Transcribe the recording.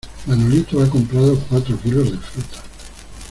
Manolito ha comprado cuatro kilos de fruta.